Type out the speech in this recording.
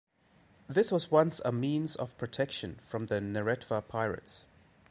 This once was a means of protection from the Neretva pirates.